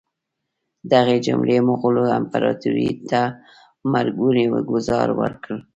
دغې حملې مغولو امپراطوري ته مرګونی ګوزار ورکړ.